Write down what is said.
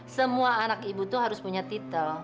semua anak ibu itu harus punya titel